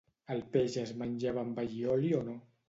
el peix es menjava amb allioli o no